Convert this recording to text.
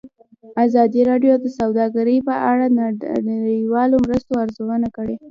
ازادي راډیو د سوداګري په اړه د نړیوالو مرستو ارزونه کړې.